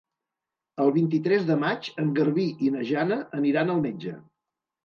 El vint-i-tres de maig en Garbí i na Jana aniran al metge.